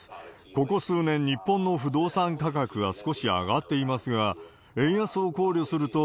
ここ数年、日本の不動産価格が少し上がっていますが、円安を考慮すると、